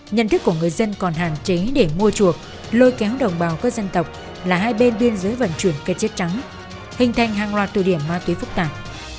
nhận thức của người dân còn hàn chế để mua chuộc lôi kéo đồng bào các dân tộc là hai bên biên giới vận chuyển kết chết trắng hình thành hàng loạt tù điểm má túy phức tạp